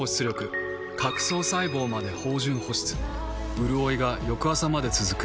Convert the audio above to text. うるおいが翌朝まで続く。